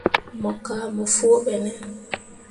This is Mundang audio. Mo kah mo foo ɓe ne.